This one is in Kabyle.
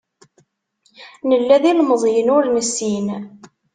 Nella d ilemẓiyen ur nessin.